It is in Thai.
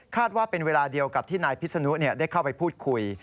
ว่าเป็นเวลาเดียวกับที่นายพิษนุได้เข้าไปพูดคุย